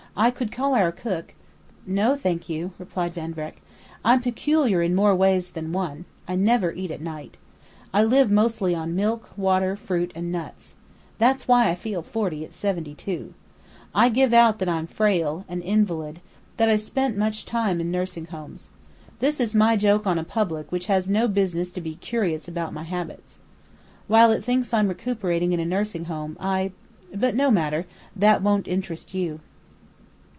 "I could call our cook " "No, thank you," replied Van Vreck. "I'm peculiar in more ways than one. I never eat at night. I live mostly on milk, water, fruit, and nuts. That's why I feel forty at seventy two. I give out that I'm frail an invalid that I spend much time in nursing homes. This is my joke on a public which has no business to be curious about my habits. While it thinks I'm recuperating in a nursing home I but no matter! That won't interest you."